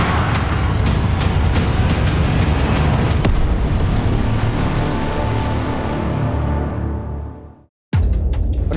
พี่ยังไม่ได้กล่าวหาอะไรน้องสักคำนะ